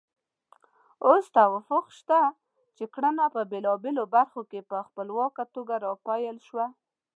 اوس توافق شته چې کرنه په بېلابېلو برخو کې په خپلواکه توګه راپیل شوه.